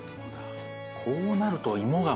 こうなると。